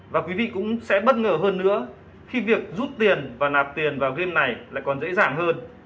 và quý vị cũng sẽ bất ngờ hơn nữa khi việc rút tiền và nạp tiền vào game này lại còn dễ dàng hơn